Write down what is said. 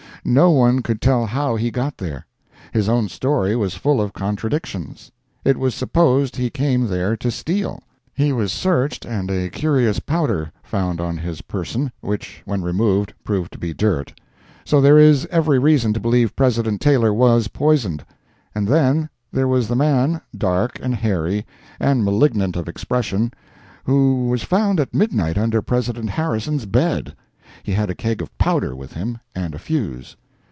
No one could tell how he got there. His own story was full of contradictions. It was supposed he came there to steal; he was searched, and a curious powder found on his person, which, when removed, proved to be dirt. So there is every reason to believe President Taylor was poisoned. And then, there was the man—dark, and hairy, and malignant of expression—who was found at midnight under President Harrison's bed. He had a keg of powder with him, and a fuse.